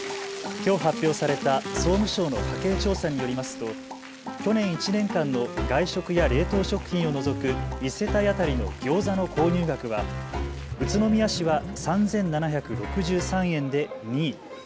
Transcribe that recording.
きょう発表された総務省の家計調査によりますと去年１年間の外食や冷凍食品を除く１世帯当たりのギョーザの購入額は宇都宮市は３７６３円で２位。